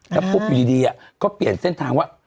แล้วปุ๊บอยู่ดีก็เปลี่ยนเส้นทางว่า